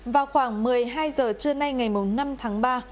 vào khoảng một mươi hai giờ trưa nay ngày năm tháng ba